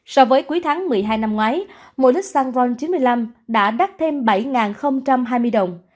so với cuối tháng một mươi hai năm ngoái mỗi lít xăng ron chín mươi năm đã đắt thêm bảy hai mươi đồng